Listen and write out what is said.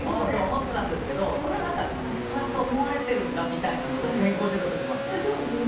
思ってたんですけどこれは何か私そうやって思われてるんだみたいなのが先行してたってことなんですね。